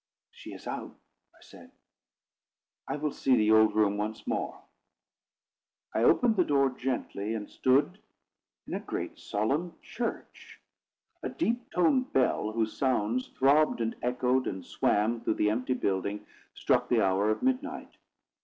"She is out," I said, "I will see the old room once more." I opened the door gently, and stood in a great solemn church. A deep toned bell, whose sounds throbbed and echoed and swam through the empty building, struck the hour of midnight.